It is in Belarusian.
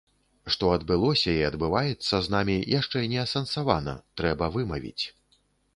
Што адбылося і адбываецца з намі яшчэ не асэнсавана, трэба вымавіць.